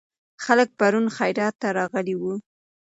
خلک پرون خیرات ته راغلي وو.